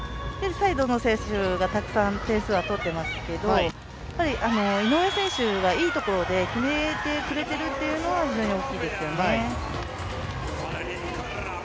サイドの選手がたくさん点数取ってますけど井上選手がいいところで決めてくれているというのが非常に大きいですよね。